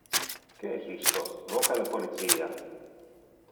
Que es isto? Voca le policia.